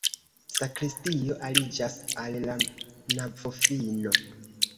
Sakristio aliĝas al la navofino.